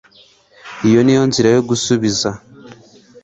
iyo niyo nzira yo gusubiza